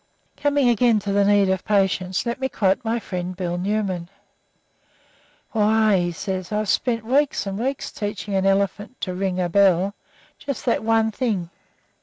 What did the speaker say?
Coming again to the need of patience, let me quote my friend "Bill" Newman. "Why," said he, "I've spent weeks and weeks teaching an elephant to ring a bell just that one thing.